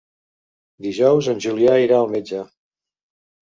Dijous en Julià irà al metge.